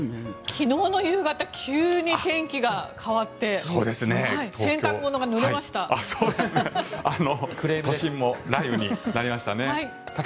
昨日の夕方急に天気が変わって洗濯物がぬれました。